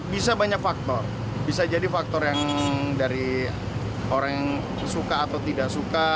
bisa banyak faktor bisa jadi faktor yang dari orang yang suka atau tidak suka